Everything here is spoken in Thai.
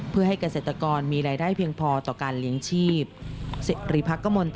เพื่อให้เกษตรกรมีรายได้เพียงพอต่อการเลี้ยงชีพ